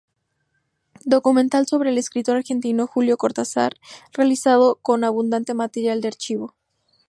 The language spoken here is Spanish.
Documental sobre el escritor argentino Julio Cortázar realizado con abundante material de archivo.